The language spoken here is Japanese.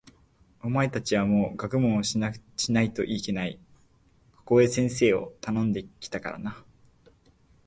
お前たちはもう学問をしないといけない。ここへ先生をたのんで来たからな。